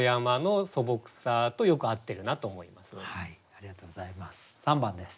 ありがとうございます。